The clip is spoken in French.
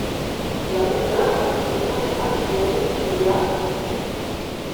La Wupper a pris son tracé actuel il y a ans.